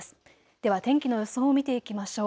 では天気の予想を見ていきましょう。